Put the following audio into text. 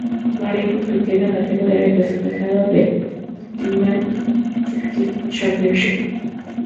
Barry compitió en la categoría de peso pesado de Ultimate Fighting Championship.